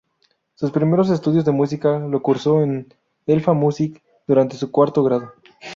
Sus primeros estudios de música, lo cursó en "Elfa Music", durante su cuarto grado.